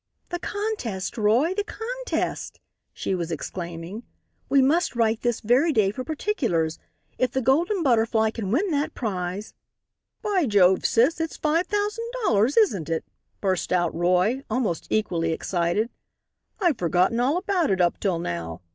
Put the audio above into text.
"The contest, Roy! The contest!" she was exclaiming. "We must write this very day for particulars. If the Golden Butterfly can win that prize " "By Jove, sis, it's five thousand dollars, isn't it?" burst out Roy, almost equally excited. "I'd forgotten all about it up till now.